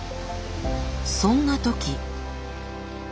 そんな時。